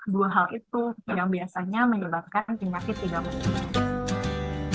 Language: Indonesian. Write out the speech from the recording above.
dua hal itu yang biasanya menyebabkan penyakit tidak muncul